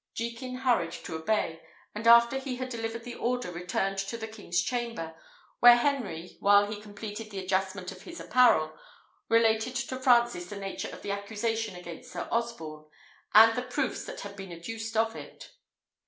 Jekin hurried to obey; and after he had delivered the order, returned to the king's chamber, where Henry, while he completed the adjustment of his apparel, related to Francis the nature of the accusation against Sir Osborne, and the proofs that had been adduced of it.